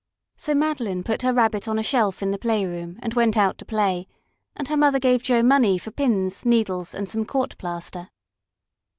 So Madeline put her Rabbit on a shelf in the playroom, and went out to play, and her mother gave Joe money for pins, needles and some court plaster.